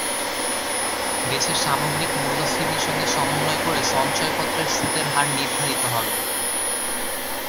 দেশের সামগ্রিক মূল্যস্ফীতির সঙ্গে সমন্বয় করে সঞ্চয়পত্রের সুদের হার নির্ধারিত হবে।